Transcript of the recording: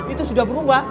itu sudah berubah